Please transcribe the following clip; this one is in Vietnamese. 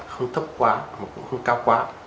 không thấp quá mà cũng không cao quá